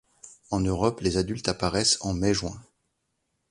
En Europe les adultes apparaissent en mai-juin.